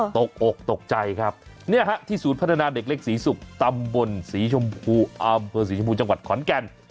ตกอกตกใจครับที่ศูนย์พัฒนาเด็กเล็กศรีศุกร์ตำบลศรีชมพูอำเภอศรีชมพูจังหวัดขอนแก่น